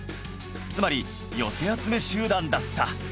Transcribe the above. つまり寄せ集め集団だった